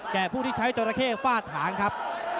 แก่ผู้ที่ใช้จอนะเข้ฝาดทางครับ